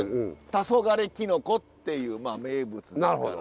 たそがれきのこっていう名物ですから。